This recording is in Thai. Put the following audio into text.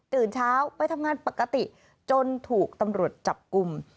เช้าไปทำงานปกติจนถูกตำรวจจับกลุ่ม